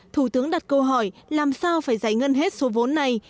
thủ tướng đặt câu hỏi làm sao phải giải ngân hết số vốn này